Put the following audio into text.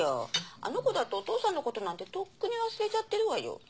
あの子だってお父さんのことなんてとっくに忘れちゃってるわよ。